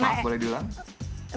maaf boleh diulang